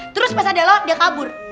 terus pas ada law dia kabur